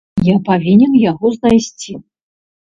Я павінен яго знайсці.